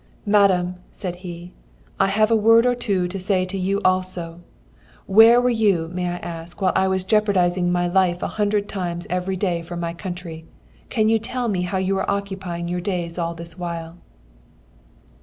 "'Madame!' said he, 'I have a word or two to say to you also. Where were you, may I ask, while I was jeopardizing my life a hundred times every day for my country? Can you tell me how you were occupying your days all this while?'